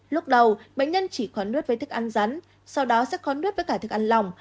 lúc đầu bệnh nhân chỉ khó nuốt với thức ăn rắn sau đó sẽ khó nuốt với cả thức ăn lòng